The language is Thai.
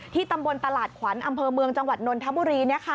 ตำบลตลาดขวัญอำเภอเมืองจังหวัดนนทบุรี